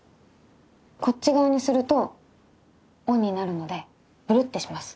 こっち側にするとオンになるのでブルってします。